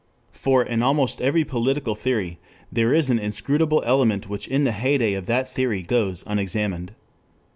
For in almost every political theory there is an inscrutable element which in the heyday of that theory goes unexamined.